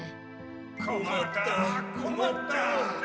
こまったこまった。